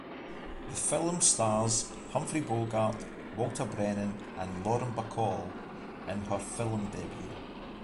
The film stars Humphrey Bogart, Walter Brennan and Lauren Bacall in her film debut.